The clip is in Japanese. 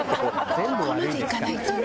ここまでいかないとね。